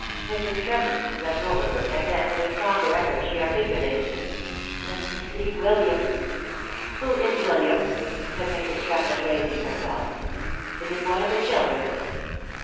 Mrs. Tremlett lent over her, and then, with a stronger effort she articulated —« Let me see William !"" Who is William?" said Mrs. Tremlett raising herself, " Is it one of the children